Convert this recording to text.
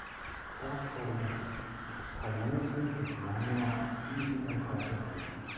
Tag vor den Kalenden des Januar diesen Altar geweiht.